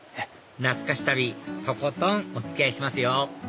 懐かし旅とことんお付き合いしますよ